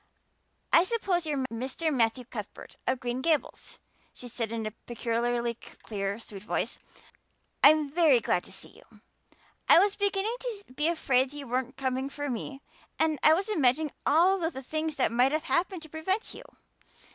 "I suppose you are Mr. Matthew Cuthbert of Green Gables?" she said in a peculiarly clear, sweet voice. "I'm very glad to see you. I was beginning to be afraid you weren't coming for me and I was imagining all the things that might have happened to prevent you.